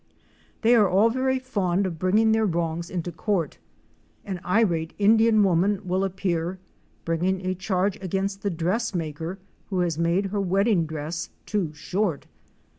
They are all very fond of bringing their wrongs into court. An irate Indian woman will appear, bringing a charge against the dressmaker who has made her wedding dress too short.